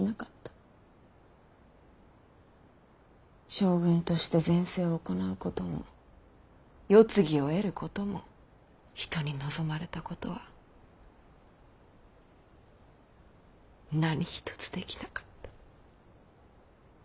将軍として善政を行うことも世継ぎを得ることも人に望まれたことは何一つできなかった。